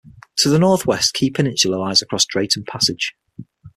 To the northwest Key Peninsula lies across Drayton Passage.